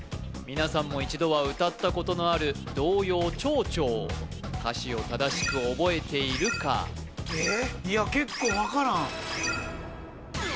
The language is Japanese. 皆さんも一度は歌ったことのある童謡「ちょうちょう」歌詞を正しく覚えているかいや結構分からん